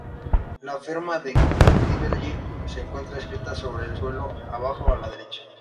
La firma de Crivelli se encuentra escrita sobre el suelo, abajo a la derecha.